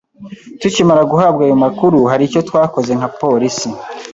Tukimara guhabwa ayo makuru, haricyo twakoze nka polisi